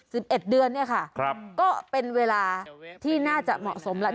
เอ็ดเดือนเนี่ยค่ะครับก็เป็นเวลาที่น่าจะเหมาะสมแหละ